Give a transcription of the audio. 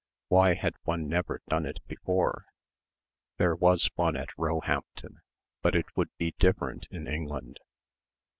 Why had one never done it before? There was one at Roehampton. But it would be different in England.